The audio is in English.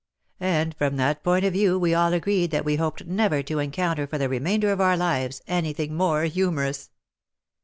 And from that point of view we all agreed that we hoped never to encounter for the remainder of our lives, anything more humorous.